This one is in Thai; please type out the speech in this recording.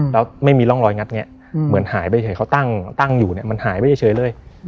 แล้วไม่มีร่องรอยงัดแงะเหมือนหายไปเฉยเขาตั้งอยู่เนี่ยมันหายไปเฉยเลย